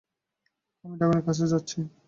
আমি ড্রাগনের কাছে যাচ্ছি।